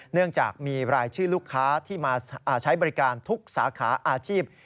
เนื่องจากมีรายชื่อลูกค้าที่มาใช้บริการทุกสาขาอาชีพ